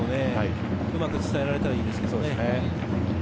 うまく伝えられたらいいですね。